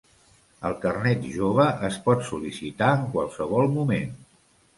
El Carnet Jove es pot sol·licitar en qualsevol moment.